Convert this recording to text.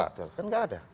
betul kan tidak ada